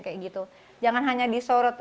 kayak gitu jangan hanya disorot